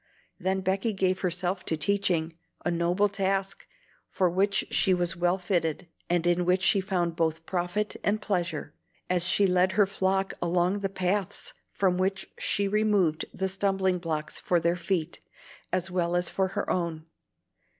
Then Becky gave herself to teaching, a noble task, for which she was well fitted, and in which she found both profit and pleasure, as she led her flock along the paths from which she removed the stumbling blocks for their feet, as well as for her own.